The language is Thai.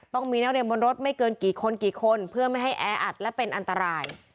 ต้องมีนักเรียนบนรถไม่เกินกี่คนกี่คนเพื่อไม่ให้แออัดและเป็นอันตราย